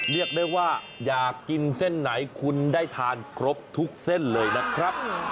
เรียกได้ว่าอยากกินเส้นไหนคุณได้ทานครบทุกเส้นเลยนะครับ